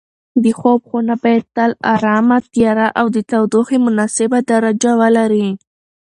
د خوب خونه باید تل ارامه، تیاره او د تودوخې مناسبه درجه ولري.